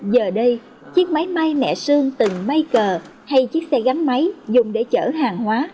giờ đây chiếc máy may nẹ sơn từng may cờ hay chiếc xe gắn máy dùng để chở hàng hóa